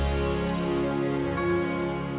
tak usah bingung